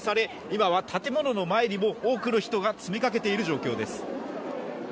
今は建物の前にも多くの人が詰めかけている状況です。